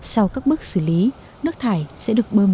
sau các bước xử lý nước thải sẽ được bơm